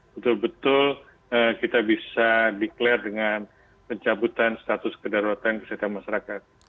betul betul kita bisa declare dengan pencabutan status kedaruratan kesehatan masyarakat